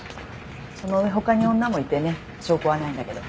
その上他に女もいてね証拠はないんだけど。